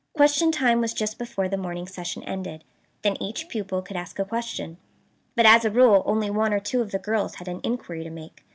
"Question time" was just before the morning session ended. Then each pupil could ask a question. But as a rule only one or two of the girls had any inquiry to make.